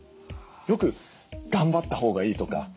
よく頑張ったほうがいいとか。